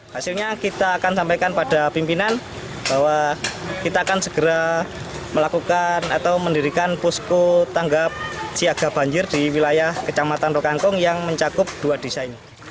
hasilnya kita akan sampaikan pada pimpinan bahwa kita akan segera melakukan atau mendirikan posko tanggap siaga banjir di wilayah kecamatan rokangkung yang mencakup dua desa ini